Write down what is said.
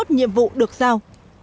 tốt nhiệm vụ được sao